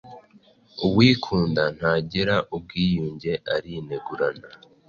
uwikunda. ntagira ubwiyunge, aranegurana